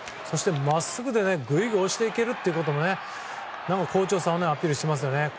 そして、まっすぐでぐいぐい押していけるということも好調さをアピールしていますね。